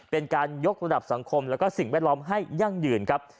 เป็นการยกระดับสังคมและสิ่งแวดล้อมให้ยั่งยืนครับ